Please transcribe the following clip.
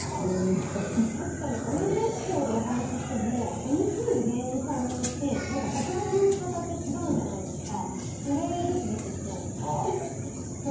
確かに同じエピソードをお話してもＭＣの芸人さんによって爆発の仕方が違うじゃないですか。